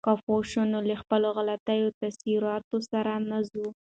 که پوه شو، نو له غلطو تاثیراتو سره نه ځو.